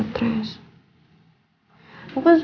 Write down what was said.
aku stres mengkirin kamu